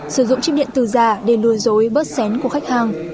sử dụng chiếc điện tử già để lừa dối bớt xén của khách hàng